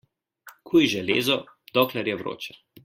Kuj železo, dokler je vroče.